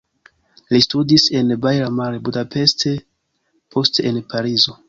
Li studis en Baia Mare, Budapest, poste en Parizo.